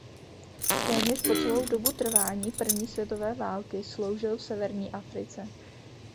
Téměř po celou dobu trvání první světové války sloužil v severní Africe.